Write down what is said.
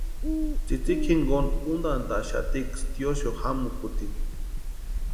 Tsïtsïki jinkoni úntantaxatiksï tiosu jamukutini.